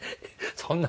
そんな。